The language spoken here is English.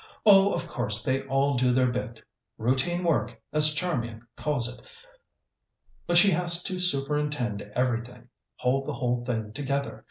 "Oh, of course they all do their bit. Routine work, as Charmian calls it. But she has to superintend everything hold the whole thing together.